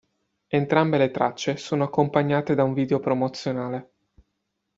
Entrambe le tracce sono accompagnate da un video promozionale.